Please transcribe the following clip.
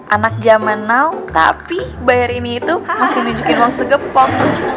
anak jaman now tapi bayar ini itu mesti nunjukin uang segepok